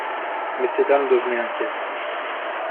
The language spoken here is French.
Mais ces dames devenaient inquiètes.